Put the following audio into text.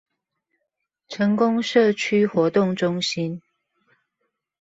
成功社區活動中心